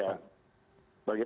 ya bagaimana pepunya